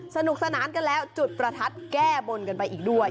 สนุกสนานกันแล้วจุดประทัดแก้บนกันไปอีกด้วย